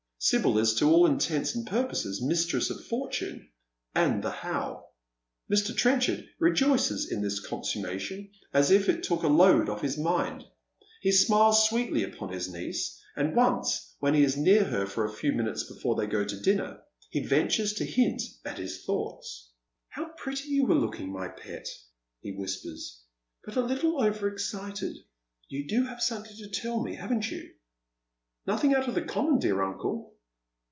Sibyl is to all intents and purposes mistress of fortune and the How. Mr. Trenchard rejoices in this consum mation as if it took a load ofE his mind. He smiles sweetly upon his niece, and once, when he is near her for a few minute« b»f"'^e they go to dinner, ho ventures to hint at his thoughts. Joel Pilgrim. 213 " How pretty you are looking, my pet !" he whispers, " but a little over excited. You have something to tell me, haven't you ?"" Nothing out of the common, dear uncle."